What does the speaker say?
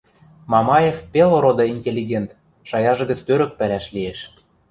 — Мамаев пелороды интеллигент, шаяжы гӹц тӧрӧк пӓлӓш лиэш...